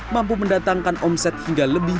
mampu mendatangkan omset hingga lebih